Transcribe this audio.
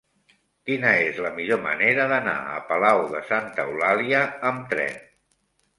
Quina és la millor manera d'anar a Palau de Santa Eulàlia amb tren?